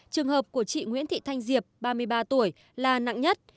trường hợp của chị nguyễn thị thanh diệp ba mươi ba tuổi là nặng nhất